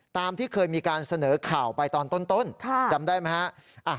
ตามที่เคยมีการเสนอข่าวไปตอนต้นจำได้ไหมฮะ